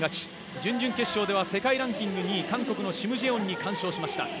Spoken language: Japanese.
準々決勝では世界ランキング２位韓国のシム・ジェヨンに完勝しました。